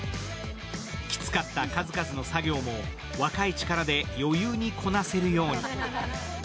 きつかった数々の作業も若い力で余裕でこなせるように。